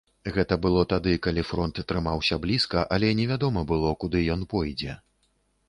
Гэта было тады, калі фронт трымаўся блізка, але невядома было, куды ён пойдзе.